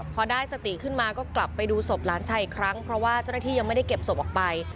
พอได้สติขึ้นมาก็กลับไปดูศพหลานชายอีกครั้งเพราะว่าเจ้าหน้าที่ยังไม่ได้เก็บศพออกไป